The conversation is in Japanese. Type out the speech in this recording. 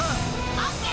オッケー！